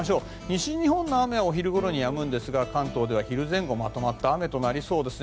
西日本の雨はお昼ごろにやむんですが関東では昼前後、まとまった雨となりそうです。